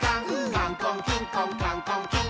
「カンコンキンコンカンコンキン！」